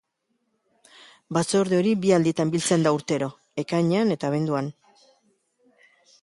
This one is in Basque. Batzorde hori bi alditan biltzen da urtero, ekainean eta abenduan.